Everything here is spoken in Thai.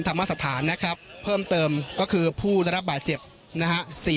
ธรรมสถานนะครับเพิ่มเติมก็คือผู้ได้รับบาดเจ็บนะฮะ